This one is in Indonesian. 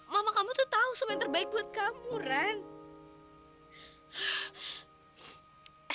mama kamu tuh tahu sama yang terbaik buat kamu ren